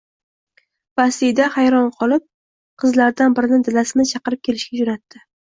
Basida hayron bo‘lib, qizlaridan birini dadasini chaqirib kelishga jo‘natdi